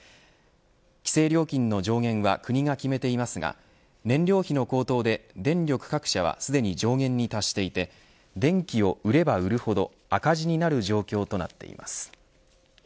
規制料金の上限は国が決めていますが燃料費の高騰で、電力各社はすでに上限に達していて電気を売れば売るほど赤字になる状況となっています。